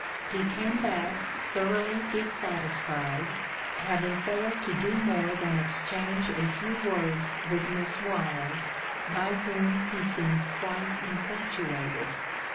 He came back thoroughly dissatisfied, having failed to do more than exchange a few words with Miss Wylde, by whom he seems quite infatuated.